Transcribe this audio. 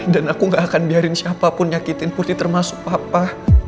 dan aku gak akan biarin siapapun nyakitin putri termasuk papa